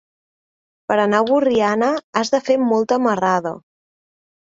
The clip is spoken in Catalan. Per anar a Borriana has de fer molta marrada.